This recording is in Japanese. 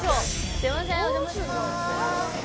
すいませんお邪魔しまーす。